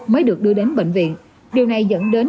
tại vì bé nhập viện là cái giai đoạn nặng